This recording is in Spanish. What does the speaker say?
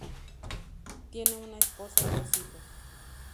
Tiene una esposa y dos hijos.